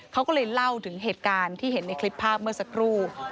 เขาก็เลยเล่าถึงเหตุการณ์ที่เห็นในคลิปภาพเมื่อสักครู่